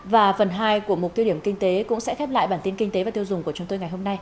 và phần hai của mục tiêu điểm kinh tế cũng sẽ khép lại bản tin kinh tế và tiêu dùng của chúng tôi ngày hôm nay